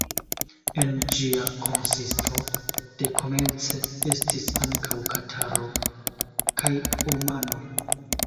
En ĝia konsisto dekomence estis ankaŭ Kataro kaj Omano.